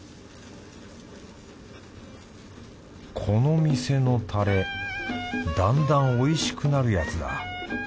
この店のたれだんだんおいしくなるやつだ。